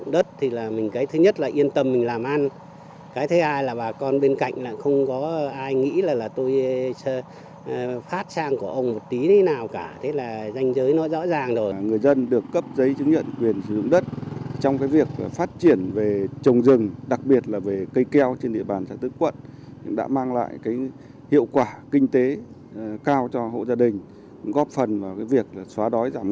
đã mang lại hiệu quả kinh tế cao cho hộ gia đình góp phần vào việc xóa đói giảm nghèo trên địa bàn của xã